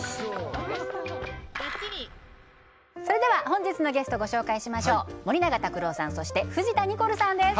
本日のゲストご紹介しましょう森永卓郎さんそして藤田ニコルさんです